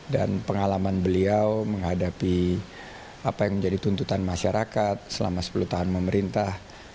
dan pengalaman beliau menghadapi apa yang menjadi tuntutan masyarakat selama sepuluh tahun pemerintah